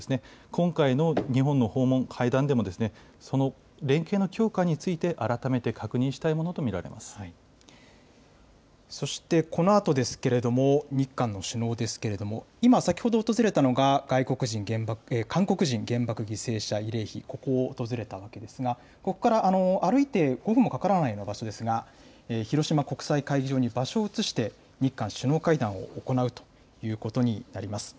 今回の日本の訪問、会談でも、その連携の強化について改めて確認そして、このあとですけれども、日韓の首脳ですけれども、今、先ほど訪れたのが、韓国人原爆犠牲者慰霊碑、ここを訪れたわけですが、ここから歩いて５分もかからないような場所ですが、広島国際会議場に場所を移して、日韓首脳会談を行うということになります。